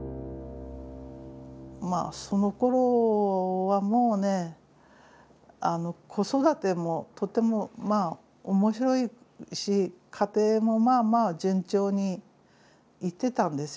まあそのころはもうね子育てもとてもまあ面白いし家庭もまあまあ順調にいってたんですよ。